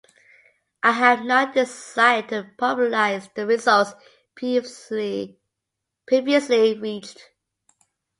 I have not desired to popularize the results previously reached.